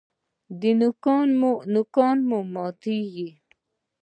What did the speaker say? ایا نوکان مو ماتیږي؟